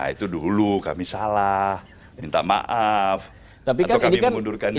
itu dulu kami salah minta maaf atau kami mengundurkan diri